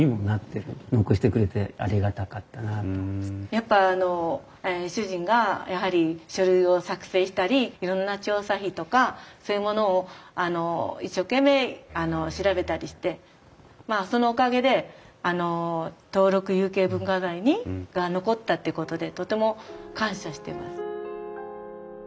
やっぱ主人がやはり書類を作成したりいろんな調査費とかそういうものを一生懸命調べたりしてまあそのおかげであの登録有形文化財に残ったっていうことでとても感謝してます。